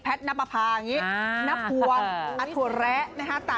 แพทน์ณปะพานี่ณภัวร์ณอัตวแร๊ะนะฮะ